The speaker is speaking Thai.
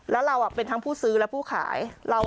แล้วเราเป็นทั้งผู้ซื้อและผู้ขาย